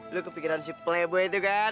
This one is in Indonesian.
lu kepikiran si plebo itu kan